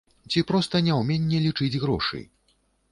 Ці проста няўменне лічыць грошы?